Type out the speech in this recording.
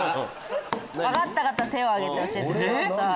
分かった方手を挙げて教えてください。